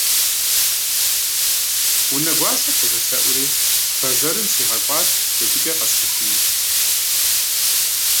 Унэгуащэр къызэлъэӀури бэзэрым сигъэкӀуат джэдыкӀэ къэсщэхуну.